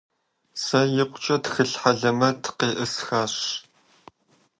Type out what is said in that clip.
Сэ икъукӀэ тхылъ хьэлэмэт къеӀысхащ.